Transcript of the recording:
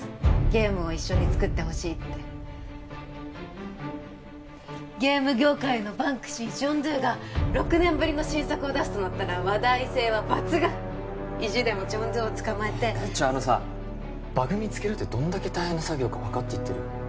ゲームを一緒に作ってほしいってゲーム業界のバンクシージョン・ドゥが６年ぶりの新作を出すとなったら話題性は抜群意地でもジョン・ドゥをつかまえてちょっあのさバグ見つけるってどんだけ大変な作業か分かって言ってる？